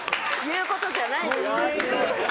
言う事じゃない。